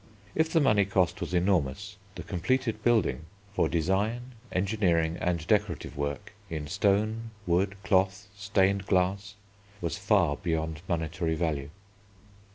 If the money cost was enormous, the completed building, for design, engineering, and decorative work in stone, wood, cloth, stained glass was far beyond monetary value.